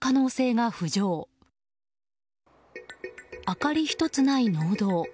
明かり１つない農道。